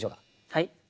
はい。